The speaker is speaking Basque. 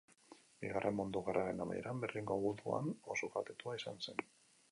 Bigarren Mundu Gerraren amaieran, Berlingo guduan oso kaltetua izan zen.